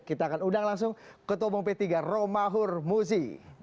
kita akan undang langsung ketua umum p tiga romahur muzi